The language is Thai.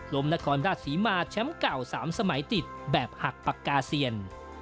นครราชศรีมาแชมป์เก่า๓สมัยติดแบบหักปากกาเซียน